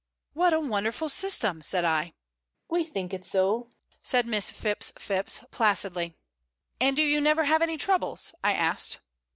"What a wonderful system!" said I. "We think it so," said Miss Phipps Phipps, placidly. "And do you never have any troubles?" I asked.